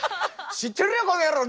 知ってるよこのやろう！